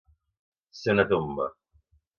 Ser una tomba.